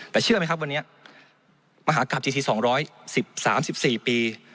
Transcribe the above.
แต่เชื่อไหมครับวันนี้มหากราบจีทีสองร้อยสิบสามสิบสี่ปี